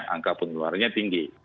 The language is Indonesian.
angka penularannya tinggi